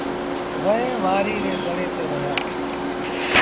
وهي وآريٚ ري ڌڙي تي رهيآ سيٚݩ۔